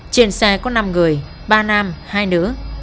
trên xe có năm người ba nam hai nữ